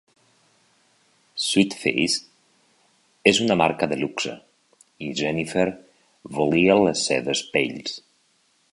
Sweetface és una marca de luxe i Jennifer volia les seves pells.